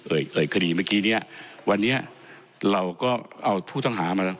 เอ่ยคดีเมื่อกี้เนี้ยวันนี้เราก็เอาผู้ต้องหามาแล้ว